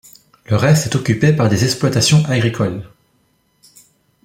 Le reste est occupé par des exploitations agricoles.